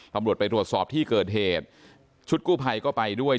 ตำรวจไปตรวจสอบที่เกิดเหตุชุดกู้ภัยก็ไปด้วย